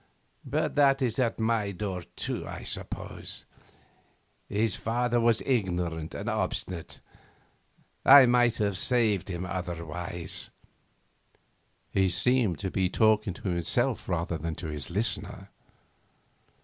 But that is at my door, too, I suppose. His father was ignorant and obstinate; I might have saved him otherwise.' He seemed talking to himself rather than to his listener.